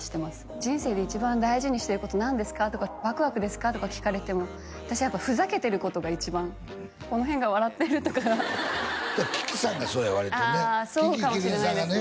人生で一番大事にしてること何ですか？とかワクワクですか？とか聞かれても私やっぱふざけてることが一番この辺が笑ってるとかあそうかもしれないですね